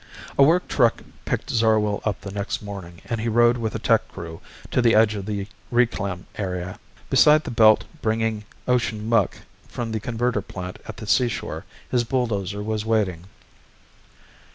A work truck picked Zarwell up the next morning and he rode with a tech crew to the edge of the reclam area. Beside the belt bringing ocean muck from the converter plant at the seashore his bulldozer was waiting.